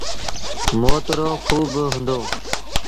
موت رو کوه با هُݩدو ۔